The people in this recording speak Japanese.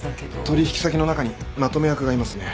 取引先の中にまとめ役がいますね。